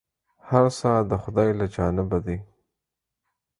هر څه د خداى له جانبه دي ،